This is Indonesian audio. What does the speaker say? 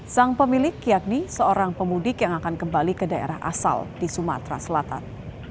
sang pemilik yakni seorang pemudik yang akan kembali ke daerah asal di sumatera selatan